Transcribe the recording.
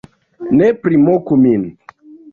- Ne primoku min